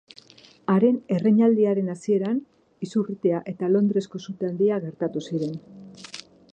Haren erreinaldiaren hasieran izurritea eta Londresko Sute Handia gertatu ziren.